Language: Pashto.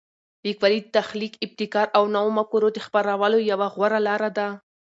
لیکوالی د تخلیق، ابتکار او نوو مفکورو د خپرولو یوه غوره لاره ده.